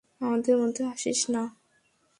আমাদের মধ্যে আসিস না!